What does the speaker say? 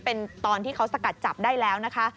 เป็นตอนที่เขาสกัดจับได้แล้วนะคะ